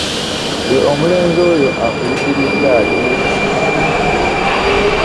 Ggwe omulenzi oyo akuyigirizaaki?